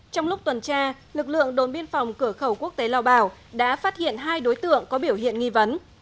trong lúc tuần tra lực lượng đồn biên phòng cửa khẩu quốc tế lao bảo đã phát hiện hai đối tượng có biểu hiện nghi vấn